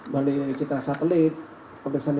balik dari citra satelit kebesaran di